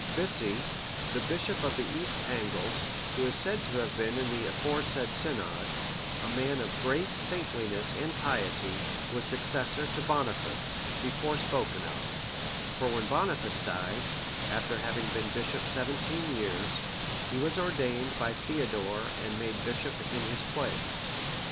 Bisi, the bishop of the East Angles, who is said to have been in the aforesaid synod, a man of great saintliness and piety, was successor to Boniface,(572) before spoken of; for when Boniface died, after having been bishop seventeen years, he was ordained by Theodore and made bishop in his place.